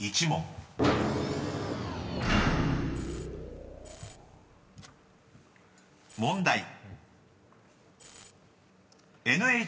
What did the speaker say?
［問題］